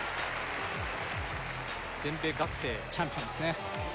全米学生チャンピオンですね